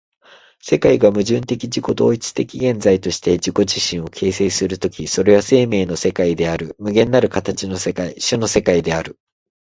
世界が矛盾的自己同一的現在として自己自身を形成する時、それは生命の世界である、無限なる形の世界、種の世界である。